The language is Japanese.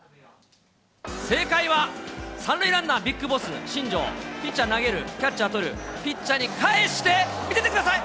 正解は、３塁ランナー、ＢＩＧＢＯＳＳ、新庄、ピッチャー投げる、キャッチャー捕る、ピッチャーに返して、見ててください。